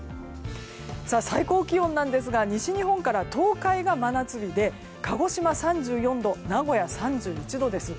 最高気温ですが西日本から東海が真夏日で鹿児島は３４度名古屋は３１度です。